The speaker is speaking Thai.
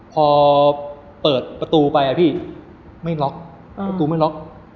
พอเปิดประตูไปไม่ล็อค